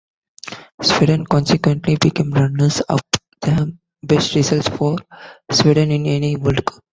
Sweden consequently became runners-up, the best result for Sweden in any World Cup.